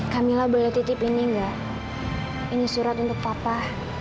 kak mila boleh titip ini gak ini surat untuk papa